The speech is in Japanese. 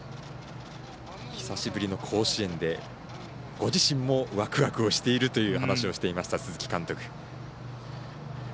久しぶりの甲子園でご自身もワクワクしているという話をしていた鈴木監督。